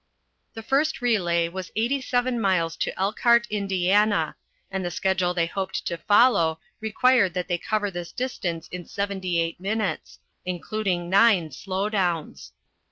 The first relay was 87 miles to Elkhart, Indiana, and the schedule they hoped to follow required that they cover this distance in 78 minutes, including nine "slow downs."